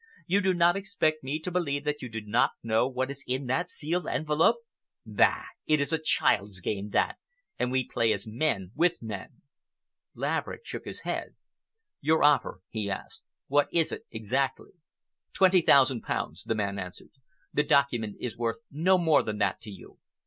You do not expect me to believe that you do not know what is in that sealed envelope? Bah! It is a child's game, that, and we play as men with men." Laverick shook his head. "Your offer," he asked, "what is it exactly?" "Twenty thousand pounds," the man answered. "The document is worth no more than that to you.